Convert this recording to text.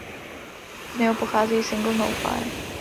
Z něho pochází i singl "No Fire".